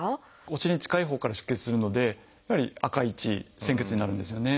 お尻に近いほうから出血するのでやはり赤い血鮮血になるんですよね。